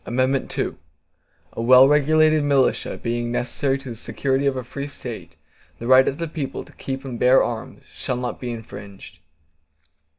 II A well regulated militia, being necessary to the security of a free State, the right of the people to keep and bear arms, shall not be infringed.